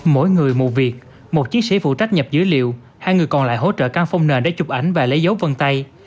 mỗi người một việc một chiến sĩ phụ trách nhập dữ liệu hai người còn lại hỗ trợ can phong nền để chụp ảnh và lấy dấu vân tay